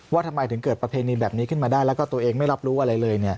ว่าทำไมถึงเกิดประเพณีแบบนี้ขึ้นมาได้แล้วก็ตัวเองไม่รับรู้อะไรเลย